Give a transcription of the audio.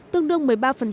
tương đương một mươi ba